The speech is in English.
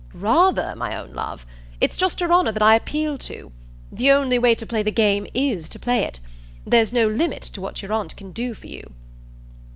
"Rather, my own love! It's just your honour that I appeal to. The only way to play the game IS to play it. There's no limit to what your aunt can do for you."